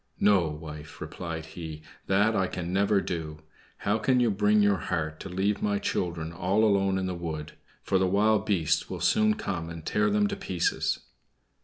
"No, wife," replied he; "that I can never do. How can you bring your heart to leave my children all alone in the wood; for the wild beasts will soon come and tear them to pieces?"